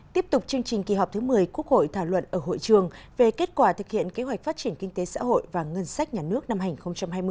tiếp tục chương trình kỳ họp thứ một mươi quốc hội thảo luận ở hội trường về kết quả thực hiện kế hoạch phát triển kinh tế xã hội và ngân sách nhà nước năm hai nghìn hai mươi